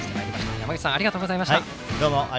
山口さんありがとうございました。